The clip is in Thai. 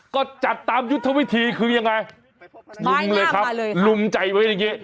ก็จัดตามยุทธวิธีคือยังไงลุมเลยครับลุมใจไว้อย่างนี้